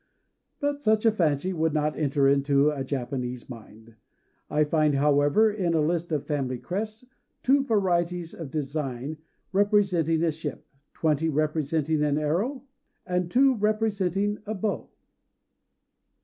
But such a fancy would not enter into a Japanese mind. I find, however, in a list of family crests, two varieties of design representing a ship, twenty representing an arrow, and two representing a bow.